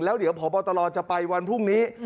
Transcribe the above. แล้วเดี๋ยวพบตลจะไปวันพรุ่งนี้